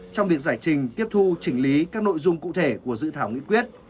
trong việc giải trình tiếp thu chỉnh lý các nội dung cụ thể của dự thảo nghị quyết